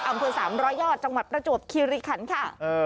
อำเภอ๓๐๐ยอดจังหวัดประจวบคิริขันค่ะ